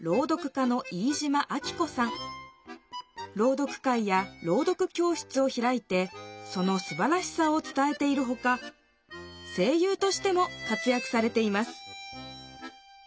朗読会や朗読教室をひらいてそのすばらしさを伝えているほか声ゆうとしても活やくされています